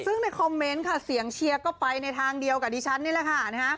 ซึ่งในคอมเมนต์ค่ะเสียงเชียร์ก็ไปในทางเดียวกับดิฉันนี่แหละค่ะ